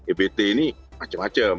ebt ini macam macam